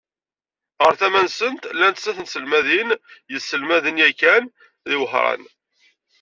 Ɣer tama-nsent, llant snat n tselmadin yesselmaden yakan di Wehran.